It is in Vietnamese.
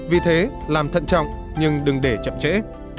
vì thế làm thận trọng nhưng đừng để chậm trễ